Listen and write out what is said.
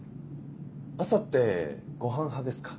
朝ってご飯派ですか？